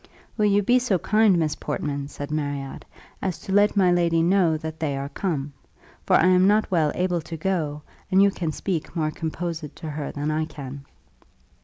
"Will you be so kind, Miss Portman," said Marriott, "as to let my lady know that they are come? for I am not well able to go, and you can speak more composed to her than I can."